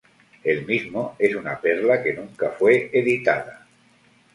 El mismo es una perla que nunca fue editada.